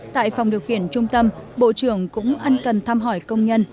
tại phòng điều khiển trung tâm bộ trưởng cũng ăn cần thăm hỏi công nhân